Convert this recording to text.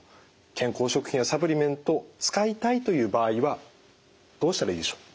健康食品やサプリメント使いたいという場合はどうしたらいいでしょう？